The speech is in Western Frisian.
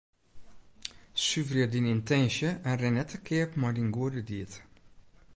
Suverje dyn yntinsje en rin net te keap mei dyn goede died.